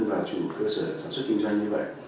và chủ cơ sở sản xuất kinh doanh